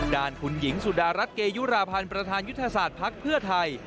ด้านคุณหญิงสุดารัฐเกยุราพันธ์ประธานยุทธศาสตร์ภักดิ์เพื่อไทย